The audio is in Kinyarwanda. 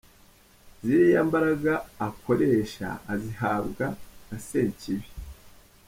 Ziriya mbaraga akoresha azihabwa na sekibi.